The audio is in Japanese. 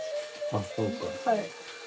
はい。